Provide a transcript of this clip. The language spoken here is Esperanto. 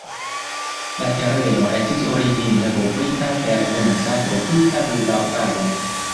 La tereno estis origine kovrita per densa tropika pluvarbaro.